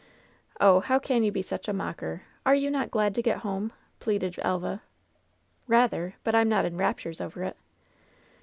"Oh, how can you be such a mocker ! Are you not glad to get home ?" pleaded Elva. "Eather ; but I'm not in raptures over it."